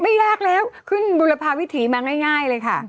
ยากแล้วขึ้นบุรพาวิถีมาง่ายเลยค่ะ